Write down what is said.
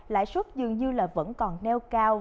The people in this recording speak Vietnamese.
lại suất dường như vẫn còn neo cao